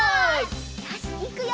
よしいくよ！